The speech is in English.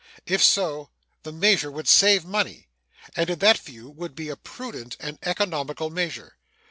If so, the measure would save money, and in that view would be a prudent and economical measure.